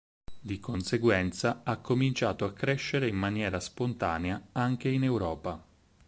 Di conseguenza, ha cominciato a crescere in maniera spontanea anche in Europa.